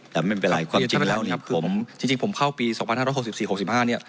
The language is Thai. แต่มันเป็นไปหลายความจริงแล้วนี่ครับผมจริงจริงผมเข้าปีสองพันห้าร้อยหกสิบสี่หกสิบห้านี่